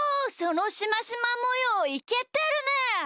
そのしましまもよういけてるね！